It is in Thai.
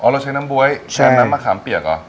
เราใช้น้ำบ๊วยแช่น้ำมะขามเปียกเหรอ